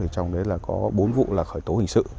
trong đấy là có bốn vụ là khởi tổ